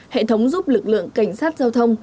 hệ thống giúp lực lượng cảnh sát giao thông